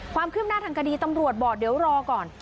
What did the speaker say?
ความคืบหน้าทางคดีตำรวจบอกเดี๋ยวรอก่อน